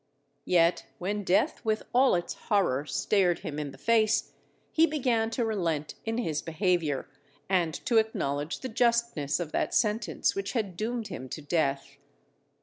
_ Yet when death with all its horror stared him in the face, he began to relent in his behaviour, and to acknowledge the justness of that sentence which had doomed him to death.